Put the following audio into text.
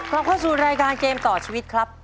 กลับเข้าสู่รายการเกมต่อชีวิตครับ